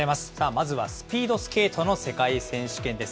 まずはスピードスケートの世界選手権です。